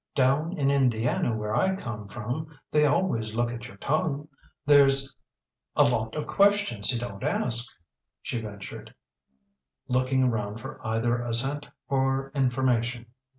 Down in Indiana, where I come from, they always look at your tongue. There's a lot of questions he don't ask," she ventured, looking around for either assent or information.